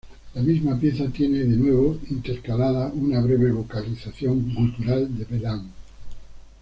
La misma pieza tiene de nuevo intercalada una breve vocalización gutural de Veland.